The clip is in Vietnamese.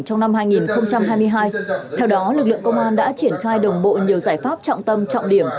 trong năm hai nghìn hai mươi hai theo đó lực lượng công an đã triển khai đồng bộ nhiều giải pháp trọng tâm trọng điểm